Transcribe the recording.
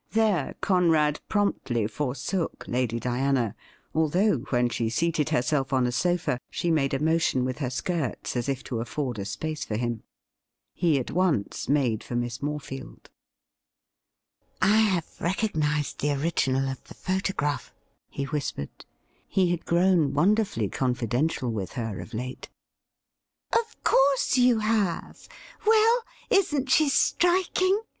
There Conrad promptly forsook Lady Diana, although when she seated herself on a sofa she made a motion with her skirts as if to afford a space for him. He at once made for Miss Morefield. ' I have recognised the original of the photograph,' he whispered ; he had grown wonderfully confidential with her of late. 56 THE RIDDLE RING ' Of course you have. Well, isn't she striking ?